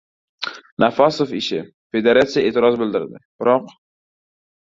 «Nafasov ishi». Federatsiya e’tiroz bildirdi, biroq...